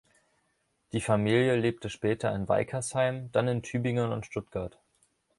Die Familie lebte später in Weikersheim, dann in Tübingen und Stuttgart.